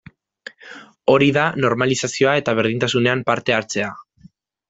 Hori da normalizazioa eta berdintasunean parte hartzea.